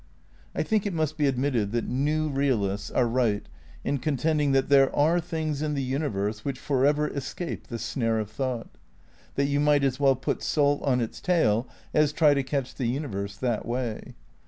I think it must be admitted that new realists are right in contending that there are things in the uni verse which forever escape the snare of thought ; that you might as well put salt on its tail as try to catch the universe that way.